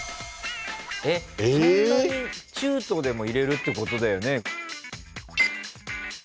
中途でも入れるってことだよね。